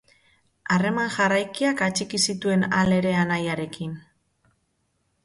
Harreman jarraikiak atxiki zituen halere anaiarekin.